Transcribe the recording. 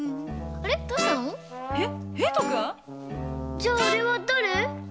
じゃああれはだれ？